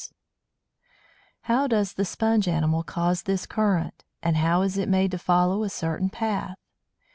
SEA FURZE] How does the Sponge animal cause this current; and how is it made to follow a certain path?